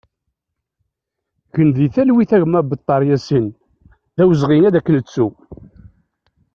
Gen di talwit a gma Bettar Yasin, d awezɣi ad k-nettu!